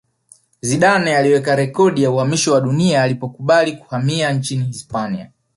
zidane aliweka rekodi ya uhamisho wa dunia alipokubali kuhamia nchini hispania